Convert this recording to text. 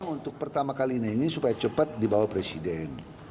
untuk pertama kali ini supaya cepat dibawa presiden